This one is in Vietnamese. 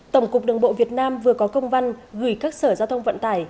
tổng cục đường bộ việt nam vừa có công văn gửi các sở giao thông vận tải